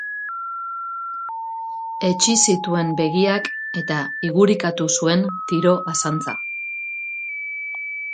Hetsi zituen begiak eta igurikatu zuen tiro azantza.